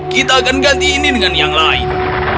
kita akan ganti ini dengan yang lain